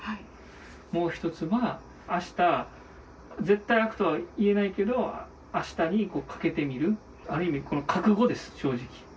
もう一つは、あした、絶対空くとは言えないけど、あしたにかけてみる、ある意味、覚悟です、正直。